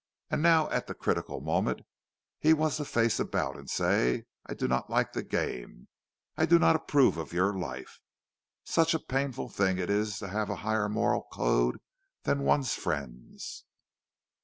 And now, at the critical moment, he was to face about, and say; "I do not like the game. I do not approve of your life!" Such a painful thing it is to have a higher moral code than one's friends!